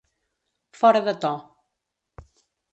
Fora de to.